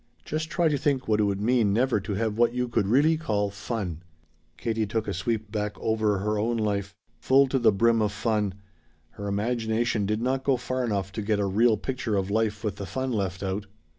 Just try to think what it would mean never to have what you could really call fun!" Katie took a sweep back over her own life full to the brim of fun. Her imagination did not go far enough to get a real picture of life with the fun left out.